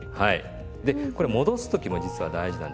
でこれ戻す時も実は大事なんですよ。